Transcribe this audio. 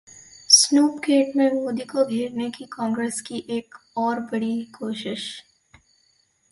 Snoopgate में मोदी को घेरने की कांग्रेस की एक और बड़ी कोशिश